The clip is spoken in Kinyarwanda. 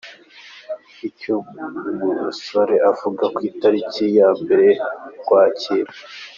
Icyo Musare avuga ku itariki ya Mbere Ukwakira